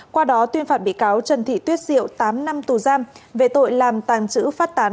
qua đó tuyên phạt bị cáo trần thị tuyết diệu tám năm tù giam về tội làm tàng trữ phát tán